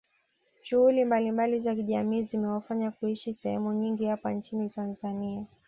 Shughuli mbalimbali za kijamii zimewafanya kuishi sahemu nyingi hapa nchini Tanzania